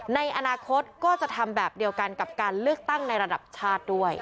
ในอนาคตก็จะทำแบบเดียวกันกับการเลือกตั้งในระดับชาติด้วย